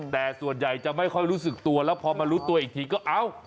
แต่ส่วนใหญ่จะไม่ค่อยรู้สึกตัวแล้วพอมารู้ตัวอีกทีก็เอ้า